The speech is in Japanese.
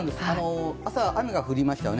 朝、雨が降りましたよね。